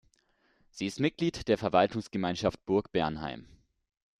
Sie ist Mitglied der Verwaltungsgemeinschaft Burgbernheim.